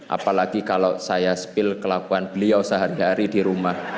apalagi kalau saya spill kelakuan beliau sehari hari di rumah